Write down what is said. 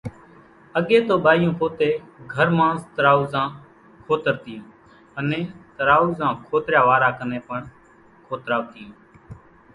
اڳيَ تو ٻايوُن پوتيَ گھر مانز ترُووازان کوترتيون، انين ترُووازان کوتريا واران ڪنين پڻ کوتراوتيون۔